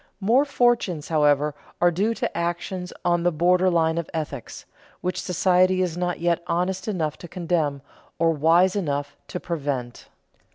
More fortunes, however, are due to actions on the border line of ethics, which society is not yet honest enough to condemn or wise enough to prevent.